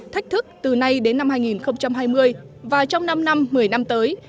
thách thức từ nay đến năm hai nghìn hai mươi và trong năm năm một mươi năm tới